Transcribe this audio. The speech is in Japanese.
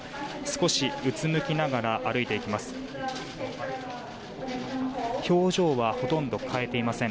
少しうつむきながら歩いていきます。